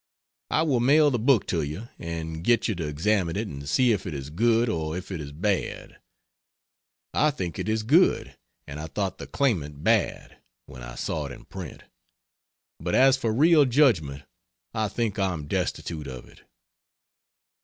I will mail the book to you and get you to examine it and see if it is good or if it is bad. I think it is good, and I thought the Claimant bad, when I saw it in print; but as for real judgment, I think I am destitute of it.